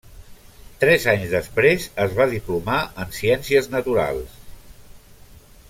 Tres anys després es va diplomar en ciències naturals.